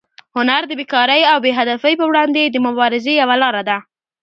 هنر د بېکارۍ او بې هدفۍ پر وړاندې د مبارزې یوه لاره ده.